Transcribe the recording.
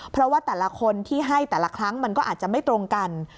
เพราะว่าแต่ละคนที่ให้แต่ละครั้งมันก็อาจจะไม่ตรงกัน